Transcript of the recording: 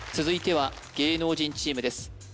続いては芸能人チームです